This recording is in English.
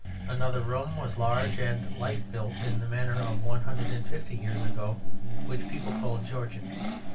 Another room was large and light built in the manner of one hundred and fifty years ago, which people call Georgian.